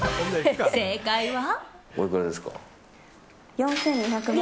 正解は。